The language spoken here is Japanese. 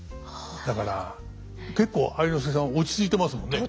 だから結構愛之助さん落ち着いてますもんね。